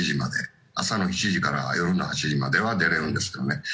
朝の７時から夜の８時までは出られるんですよね。